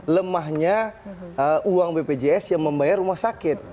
lemahnya uang bpjs yang membayar rumah sakit